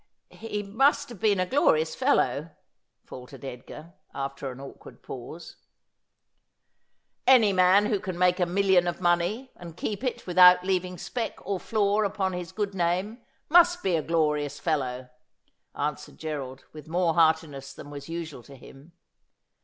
' He must have been a glorious fellow,' faltered Edgar, after an awkward pause. ' Any man who can make a million of money, and keep it without leaving speck or flaw upon his good name, must be a glorious fellow,' answered Gerald, with more heartiness than was usual to him.